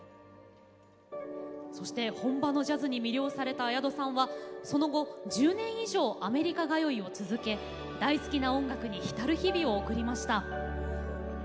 そして本場のジャズに魅了された綾戸さんはその後、１０年以上アメリカ通いを続け大好きな音楽に浸る日々を送りました。